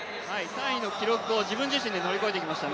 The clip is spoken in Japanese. ３位の記録を自分自身で乗り越えてきました